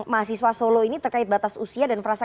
mahasiswa solo ini terkait batas usia dan frasa